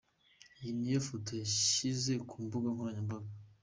Iyi ni ifoto yashyize ku mbuga nkoranyambaga.